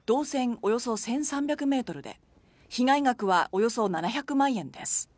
およそ１３００ｍで被害額はおよそ７００万円です。